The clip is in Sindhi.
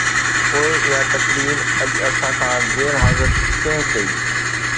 پوءِ اها تقرير اڄ اسان کان غير حاضر ڪنهن ڪئي؟